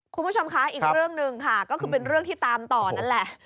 คุณผู้ชมคะอีกเรื่องหนึ่งค่ะก็คือเป็นเรื่องที่ตามต่อนั่นแหละ